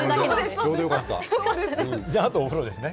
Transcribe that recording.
じゃあ、あとお風呂ですね。